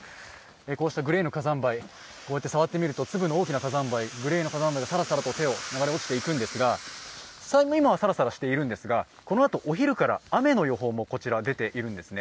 こうしたグレーの火山灰触ってみると粒の大きな火山灰が流れ落ちていくんですが今はサラサラしているんですが、このあとお昼から雨の予報もこちら出ているんです。